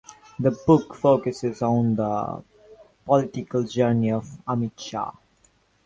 The book focuses on the political journey of Amit Shah.